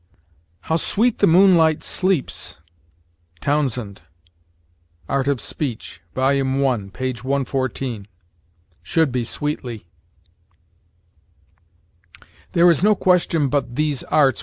"How sweet the moonlight sleeps!" Townsend, "Art of Speech," vol. i, p. 114. Should be sweetly. "There is no question but these arts